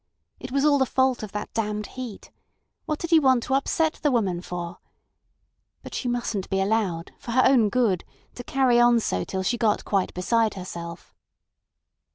It was all the fault of that damned Heat. What did he want to upset the woman for? But she mustn't be allowed, for her own good, to carry on so till she got quite beside herself.